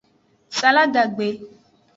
Saladagbe.